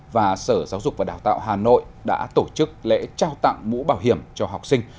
và sở giáo dục và đào tạo hà nội đã tổ chức lễ trao tặng mũ bảo hiểm cho học sinh